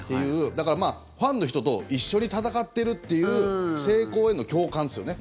だから、ファンの人と一緒に戦ってるっていう成功への共感ですよね。